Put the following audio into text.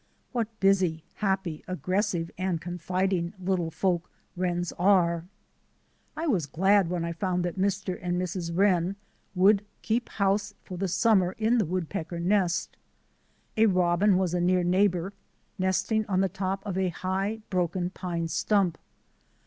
What busy, happy, ag gressive, and confiding little folk wrens are ! I was glad when I found that Mr. and Mrs. Wren would keep house for the summer in the woodpecker nest. A robin was a near neighbour, nesting on the top of a high, broken pine stump.